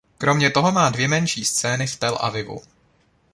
Kromě toho má dvě menší scény v Tel Avivu.